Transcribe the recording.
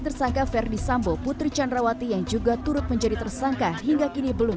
tersangka verdi sambo putri candrawati yang juga turut menjadi tersangka hingga kini belum